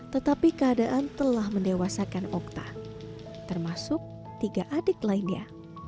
tetapi keadaan telah mendewasakan okta termasuk tiga adik lainnya